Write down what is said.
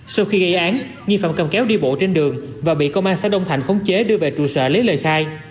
sau khi gây án nghi phạm cầm kéo đi bộ trên đường và bị công an xã đông thạnh khống chế đưa về trụ sở lấy lời khai